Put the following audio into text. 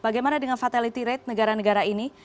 bagaimana dengan fatality rate negara negara ini